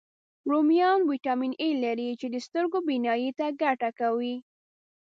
رومیان ویټامین A لري، چې د سترګو بینایي ته ګټه کوي